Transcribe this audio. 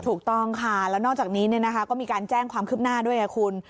ถูกต้องค่ะแล้วนอกจากนี้ก็มีการแจ้งความคืบหน้าด้วยไงคุณ